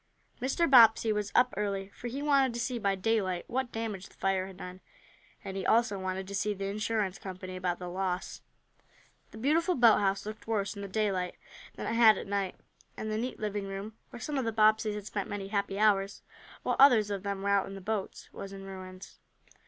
Mr. Bobbsey was up early, for he wanted to see by daylight what damage the fire had done, and he also wanted to see the insurance company about the loss. The beautiful boathouse looked worse in the daylight than it had at night, and the neat living room, where some of the Bobbseys had spent many happy hours, while others of them were out in the boats, was in ruins.